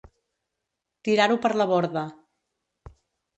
Tirar-ho per la borda.